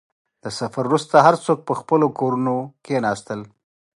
• د سفر وروسته، هر څوک په خپلو کورونو کښېناستل.